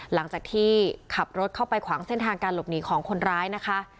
หลังจากที่ขับรถเข้าไปขวางเส้นทางการหลบหนีของคนร้ายนะคะ